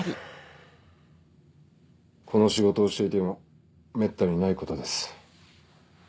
この仕事をしていてもめったにないことです。